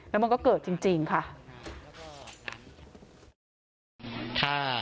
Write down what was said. แล้วมันก็เกิดจริงค่ะ